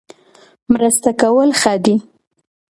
مرسته کول ښه دي